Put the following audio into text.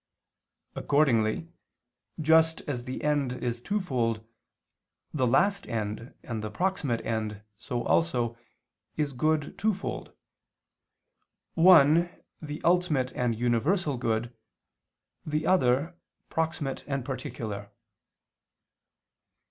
Accordingly, just as the end is twofold, the last end, and the proximate end, so also, is good twofold, one, the ultimate and universal good, the other proximate and particular.